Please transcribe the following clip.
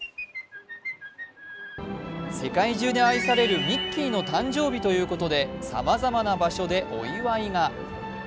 世界中で愛されるミッキーの誕生日ということでさまざまな場所でお祝いが。